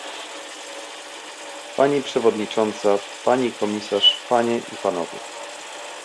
Pani przewodnicząca, pani komisarz, panie i panowie!